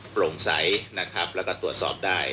โปร่งใสนะครับแล้วก็ตรวจสอบได้